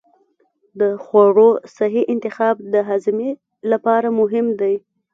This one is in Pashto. د خوړو صحي انتخاب د هاضمې لپاره مهم دی.